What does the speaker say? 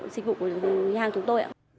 dịch vụ của nhà hàng của chúng tôi